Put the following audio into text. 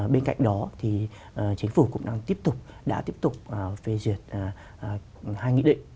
bên cạnh đó thì chính phủ cũng đang tiếp tục đã tiếp tục phê duyệt hai nghị định